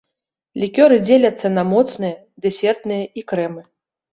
Лікёры дзеляцца на моцныя, дэсертныя і крэмы.